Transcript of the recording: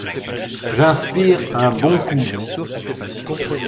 J’inspire un bon coup.